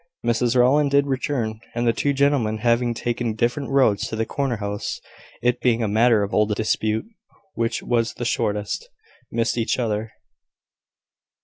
Mrs Rowland did return: and the two gentlemen, having taken different roads to the corner house (it being a matter of old dispute which was the shortest) missed each other.